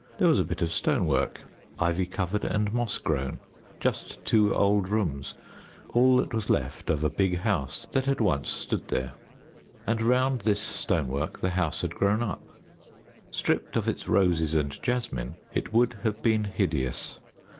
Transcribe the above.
There was a bit of stone work ivy covered and moss grown, just two old rooms, all that was left of a big house that had once stood there and round this stone work the house had grown up. Stripped of its roses and jasmine it would have been hideous.